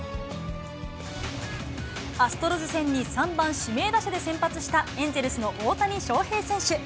アストロズ戦に３番指名打者で先発した、エンゼルスの大谷翔平選手。